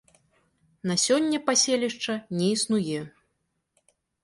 На сёння паселішча не існуе.